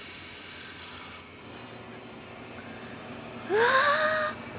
うわ！